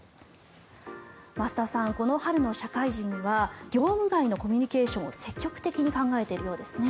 増田さん、この春の社会人は業務外のコミュニケーションを積極的に考えているようですね。